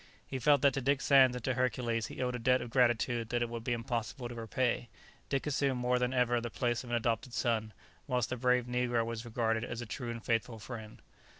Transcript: He felt that to Dick Sands and to Hercules he owed a debt of gratitude that it would be impossible to repay; Dick assumed more than ever the place of an adopted son, whilst the brave negro was regarded as a true and faithful friend.